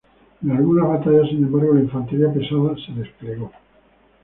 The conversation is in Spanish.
En algunos batallas sin embargo, la infantería pesada se desplegó.